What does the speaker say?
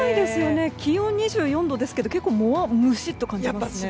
気温２４度ですけど結構ムシッと感じますね。